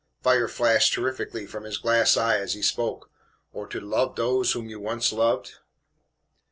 fire flashed terrifically from his glass eye as he spoke "or to love dose whom you once loved?